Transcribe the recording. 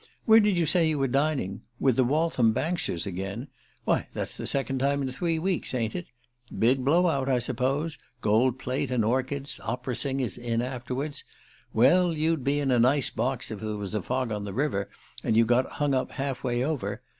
Where did you say you were dining? With the Waltham Bankshires again? Why, that's the second time in three weeks, ain't it? Big blow out, I suppose? Gold plate and orchids opera singers in afterward? Well, you'd be in a nice box if there was a fog on the river, and you got hung up half way over.